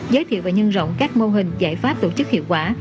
giới thiệu và nhân rộng các mô hình giải pháp tổ chức hiệu quả